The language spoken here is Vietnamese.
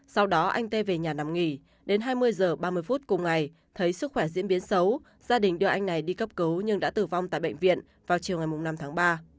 sau đó anh tê về nhà nằm nghỉ đến hai mươi h ba mươi phút cùng ngày thấy sức khỏe diễn biến xấu gia đình đưa anh này đi cấp cứu nhưng đã tử vong tại bệnh viện vào chiều ngày năm tháng ba